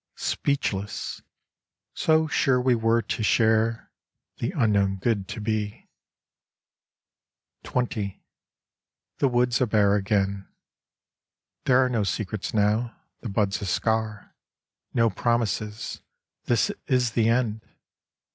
Speechless so sure we were to share The unknown good to be. XX The woods are bare again. There are No secrets now, the bud's a scar; No promises, this is the end!